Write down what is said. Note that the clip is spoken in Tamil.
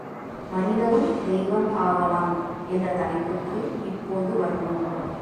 மனிதரும் தெய்வம் ஆகலாம் என்ற தலைப்புக்கு இப்போது வருவோம்.